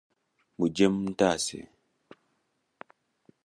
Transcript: Mujje muntaase!